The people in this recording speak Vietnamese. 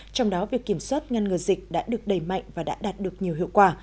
trong đó việc kiểm soát ngăn ngừa dịch đã được đầy mạnh và đã đạt được nhiều hiệu quả